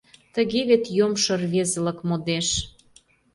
Тыге вет йомшо рвезылык модеш.